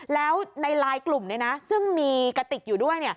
แล้วในไลน์กลุ่มซึ่งมีกระติกอยู่ด้วย